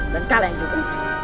dan kalian juga